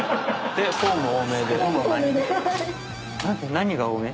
何が多め？